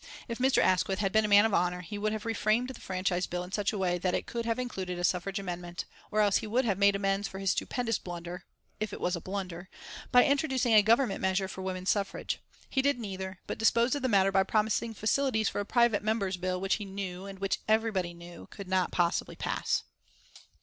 If Mr. Asquith had been a man of honour he would have reframed the Franchise Bill in such a way that it could have included a suffrage amendment, or else he would have made amends for his stupendous blunder if it was a blunder by introducing a Government measure for women's suffrage. He did neither, but disposed of the matter by promising facilities for a private member's bill which he knew, and which everybody knew, could not possibly pass.